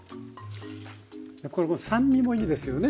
これこう酸味もいいですよね